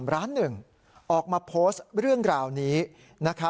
เพราะเธอหมดแต่ร้องไห้เลยนะฮะ